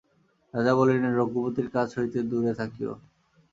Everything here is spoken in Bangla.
রাজা বলিলেন, রঘুপতির কাছ হইতে দূরে থাকিয়ো।